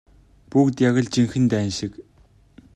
Бүгд яг л жинхэнэ дайн шиг.